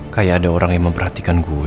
kayak ada orang yang memperhatikan gue